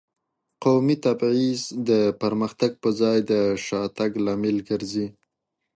قومي تبعیض د پرمختګ په ځای د شاتګ لامل ګرځي.